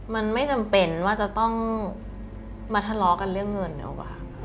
มันไม่จำเป็นว่าจะต้องมาทะเลาะกันเรื่องเงินดีกว่า